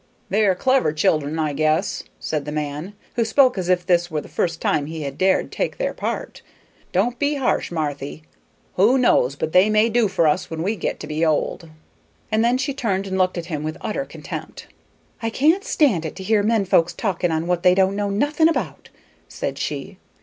"They're clever child'n, I guess," said the man, who spoke as if this were the first time he had dared take their part. "Don't be ha'sh, Marthy! Who knows but they may do for us when we get to be old?" And then she turned and looked at him with utter contempt. "I can't stand it to hear men folks talking on what they don't know nothing about," said she.